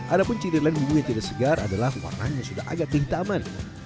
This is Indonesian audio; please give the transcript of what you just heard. ada pun ciri lain bumbu yang tidak segar adalah warna yang sudah agak kehitaman